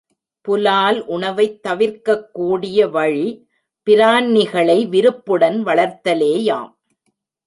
புலால் உணவைத் தவிர்க்கக் கூடிய வழிபிரான்னிகளை விருப்புடன் வளர்த்தலேயாம்.